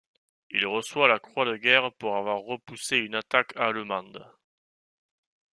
Il reçoit la Croix de guerre pour avoir repoussé une attaque allemande.